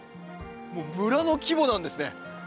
もう村の規模なんですね。